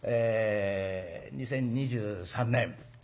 ２０２３年え